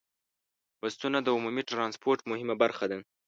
بسونه د عمومي ټرانسپورت مهمه برخه ده.